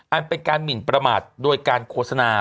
อันเป็นการหมินประมาทโดยการโฆษณา